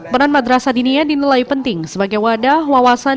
peran madrasah dinia dinilai penting sebagai wadah wawasan